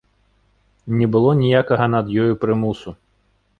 Не было ніякага над ёю прымусу.